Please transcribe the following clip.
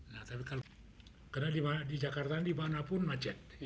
nah tapi karena di jakarta dimanapun macet